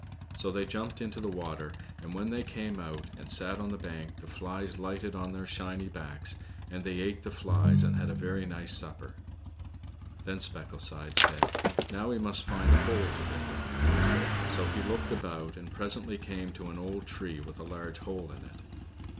So they jumped into the water, and when they came out and sat on the bank, the flies lighted on their shiny backs, and they eat the flies and had a very nice supper. Then Specklesides said, Now we must find a hole to hve in." So he looked about, and presently came to an old tree with a large hole in it.